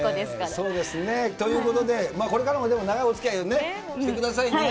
そうですね、ということで、これからもでも長いおつきあいしてくださいね。